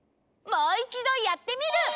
もういちどやってみる！